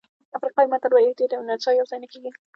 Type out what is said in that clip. افریقایي متل وایي احتیاط او نڅا یوځای نه کېږي.